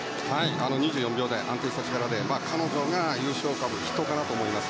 ２４秒台、安定した力で彼女が優勝株筆頭かなと思います。